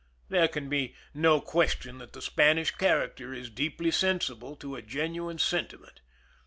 There can be no question that the Spanish character is deeply sensible to a genuine sentiment.